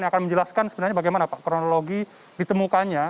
yang akan menjelaskan sebenarnya bagaimana pak kronologi ditemukannya